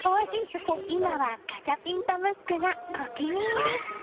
今はガチャピンとムックがお気に入り。